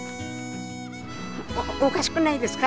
おかしくないですか？